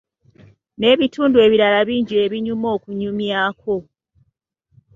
N'ebitundu ebirala bingi ebinyuma okunyumyako.